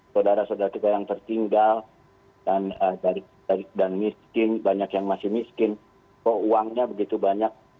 saudara saudara kita yang tertinggal dan miskin banyak yang masih miskin kok uangnya begitu banyak